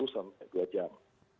satu sampai dua jam